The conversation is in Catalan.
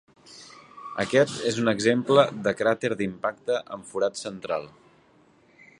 Aquest és un exemple de cràter d'impacte amb forat central.